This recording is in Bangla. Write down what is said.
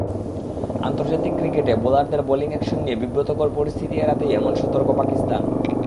আন্তর্জাতিক ক্রিকেটে বোলারদের বোলিং অ্যাকশন নিয়ে বিব্রতকর পরিস্থিতি এড়াতেই এমন সতর্ক পাকিস্তান।